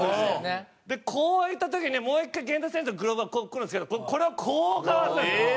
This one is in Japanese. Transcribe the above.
こういった時にもう１回源田選手のグローブがこうくるんですけどこれをこうかわすんですよ。